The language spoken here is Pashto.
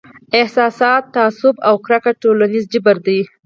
احساسات، تعصب او کرکه ټولنیز جبر دی.